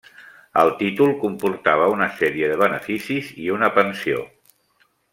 El títol comportava una sèrie de beneficis i una pensió.